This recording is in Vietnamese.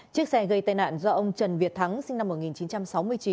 chiếc xe gây tai nạn do ông trần việt thắng sinh năm một nghìn chín trăm sáu mươi chín